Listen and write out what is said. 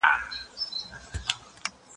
استاذ وویل چي د علم لاره هیڅ پای نه لري.